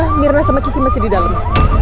amirna sama kiki masih di dalam